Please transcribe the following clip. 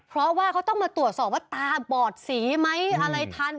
เพราะว่าเขาต้องมาตรวจสอบว่าตาบอดสีไหมอะไรทัน